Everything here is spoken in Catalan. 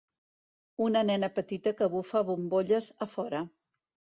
Una nena petita que bufa bombolles a fora.